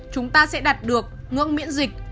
chúng ta sẽ đạt được ngưỡng miễn dịch